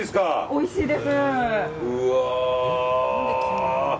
おいしいです。